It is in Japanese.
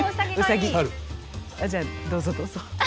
じゃあどうぞどうぞ。